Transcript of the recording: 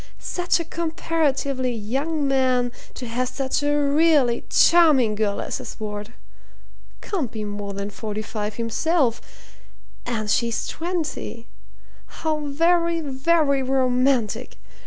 Such a comparatively young man to have such a really charming girl as his ward! Can't be more than forty five himself, and she's twenty how very, very romantic!